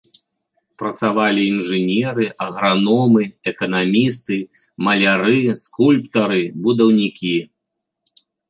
Працавалі інжынеры, аграномы, эканамісты, маляры, скульптары, будаўнікі.